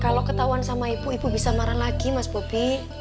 kalau ketahuan sama ibu ibu bisa marah lagi mas bobi